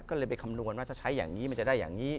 ก็เลยไปคำนวณว่าถ้าใช้อย่างนี้มันจะได้อย่างนี้